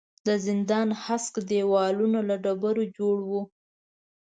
د زندان هسک دېوالونه له ډبرو جوړ وو.